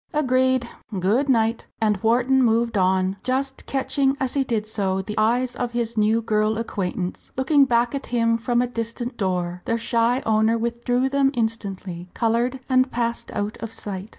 "Agreed! good night." And Wharton moved on, just catching as he did so the eyes of his new girl acquaintance looking back at him from a distant door. Their shy owner withdrew them instantly, coloured, and passed out of sight.